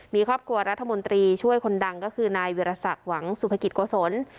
มีครอบครัวรัฐมนตรีช่วยคนนางคือนายเวรศักร์วังสุพกิจกสล